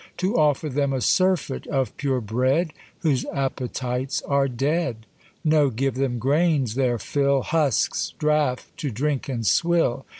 To offer them a surfeit of pure bread, Whose appetites are dead! No, give them graines their fill, Husks, draff, to drink and swill.